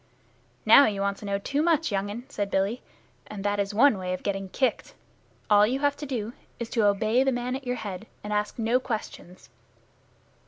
"Now you want to know too much, young un," said Billy, "and that is one way of getting kicked. All you have to do is to obey the man at your head and ask no questions."